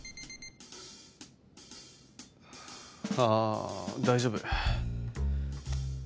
あ大丈夫。